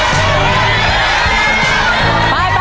สามตัวแล้วนะฮะ